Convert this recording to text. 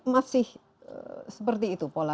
masih seperti itu pola